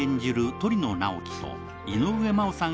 鳥野直木と井上真央さん